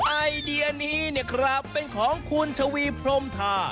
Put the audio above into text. ไอเดียนี้เนี่ยครับเป็นของคุณชวีพรมทา